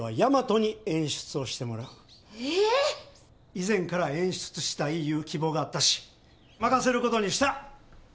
以前から演出したいいう希望があったし任せることにした！